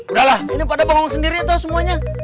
udahlah ini pada bonggong sendiri tau semuanya